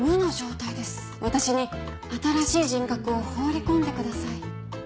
私に新しい人格を放り込んでください。